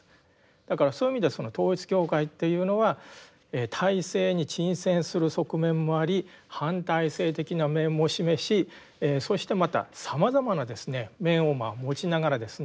だからそういう意味では統一教会っていうのは体制に沈潜する側面もあり反体制的な面も示しそしてまたさまざまな面を持ちながらですね